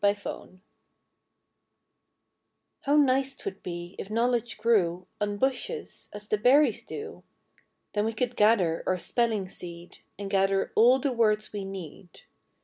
EASY KNOWLEDGE How nice 'twould be if knowledge grew On bushes, as the berries do! Then we could plant our spelling seed, And gather all the words we need.